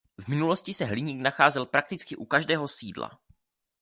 V minulosti se hliník nacházel prakticky u každého sídla.